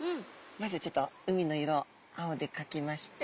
まずはちょっと海の色を青で描きまして。